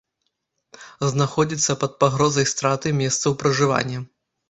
Знаходзіцца пад пагрозай страты месцаў пражывання.